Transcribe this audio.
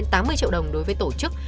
bốn mươi tám mươi triệu đồng đối với tổ chức